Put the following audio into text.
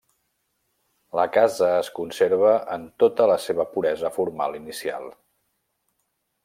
La casa es conserva en tota la seva puresa formal inicial.